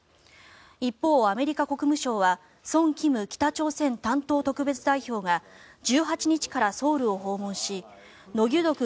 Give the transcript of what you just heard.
一方、アメリカ国務省はソン・キム北朝鮮担当特別代表が１８日からソウルを訪問しノ・ギュドク